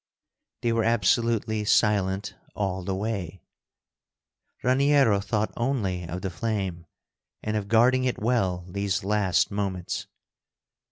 They were absolutely silent all the way. Raniero thought only of the flame, and of guarding it well these last moments.